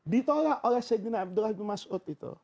ditolak oleh sayyidina abdullah ibnu mas'ud